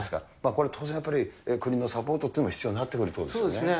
これは当然、やっぱり国のサポートというのも必要になってくるということですそうですね。